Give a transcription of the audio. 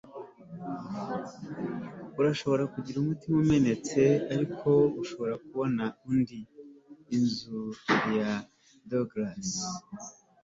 urashobora kugira umutima umenetse, ariko ushobora kubona undi. - inzu ya douglas